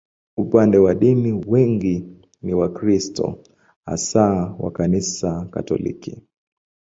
Upande wa dini, wengi ni Wakristo, hasa wa Kanisa Katoliki.